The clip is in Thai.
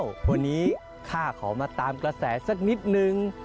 วันนี้ข้าขอมาตามกระแสสักนิดนึง